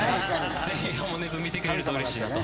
ぜひ『ハモネプ』見てくれるとうれしいなと。